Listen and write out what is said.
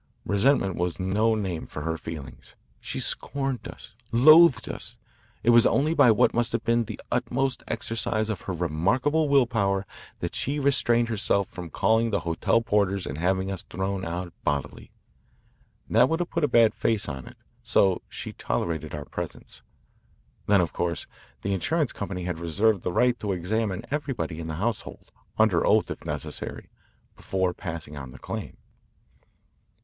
Resentment was no name for her feelings. She scorned us, loathed us. It was only by what must have been the utmost exercise of her remarkable will power that she restrained herself from calling the hotel porters and having us thrown out bodily. That would have put a bad face on it, so she tolerated our presence. Then, of course, the insurance company had reserved the right to examine everybody in the household, under oath if necessary, before passing on the claim.